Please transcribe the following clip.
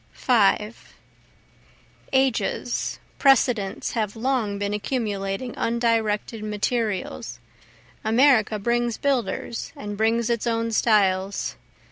5 Ages, precedents, have long been accumulating undirected materials, America brings builders, and brings its own styles.